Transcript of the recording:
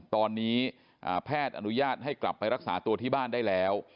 ตอนนี้แพทย์อนุญาตให้กลับไปรักษาตัวที่บ้านได้แล้ว